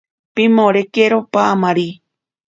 Pimorekero paamari.